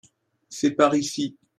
C'est par ici.